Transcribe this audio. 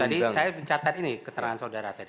tadi saya mencatat ini keterangan saudara tadi